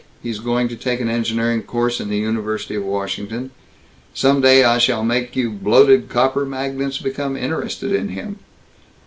He's going to take an engineering course in the University of Washington. Some day I shall make you bloated copper magnates become interested in him....